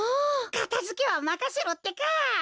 かたづけはまかせろってか！